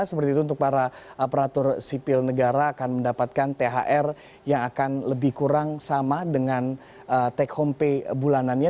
seperti itu untuk para aparatur sipil negara akan mendapatkan thr yang akan lebih kurang sama dengan take home pay bulanannya